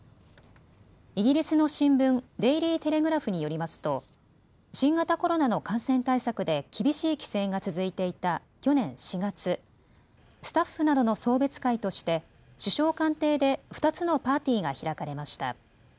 イギリスの新聞、デイリー・テレグラフによりますと新型コロナの感染対策で厳しい規制が続いていた去年４月、スタッフなどの送別会として首相官邸で２つのパーティーが開かれました。